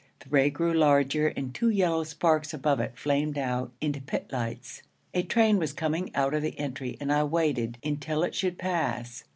The ray grew larger and two yellow sparks above it flamed out into pit lights. A train was coming out of the entry and I waited until it should pass.